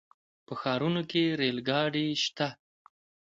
په ښارونو کې ریل ګاډي شته.